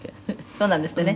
「そうなんですってね。